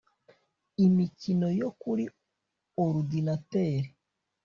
imikino yo kuri orudinateri